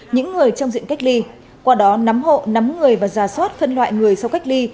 những người trong diện cách ly qua đó nắm hộ nắm người và giả soát phân loại người sau cách ly